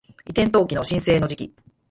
移転登記の申請の時期